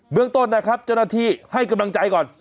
เมืองต้นนะครับเจ้าหน้าที่ให้กำลังใจก่อน